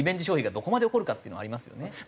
消費がどこまで起こるかっていうのはありますよね。